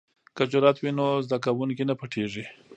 که جرئت وي نو زده کوونکی نه پټیږي.